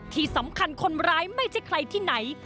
ที่สำคัญคนร้ายไม่ใช่ใครที่ไหน